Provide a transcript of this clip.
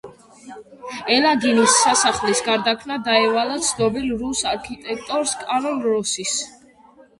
ელაგინის სასახლის გარდაქმნა დაევალა ცნობილ რუს არქიტექტორს კარლ როსის.